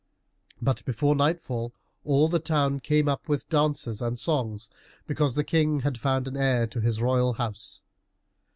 But before nightfall all the town came up, with dances and songs, because the King had found an heir to his royal house.